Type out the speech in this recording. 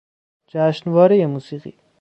جشنوارهی موسیقی